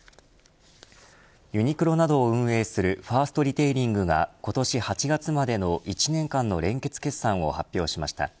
ユニクロなどを運営するファーストリテイリングが今年８月までの１年間の連結決算を発表しました。